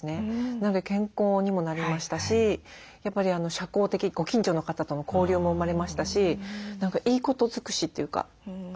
なので健康にもなりましたしやっぱり社交的ご近所の方との交流も生まれましたしいいこと尽くしというか。